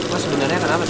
mas sebenarnya kenapa sih